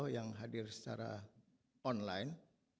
yang hadir secara online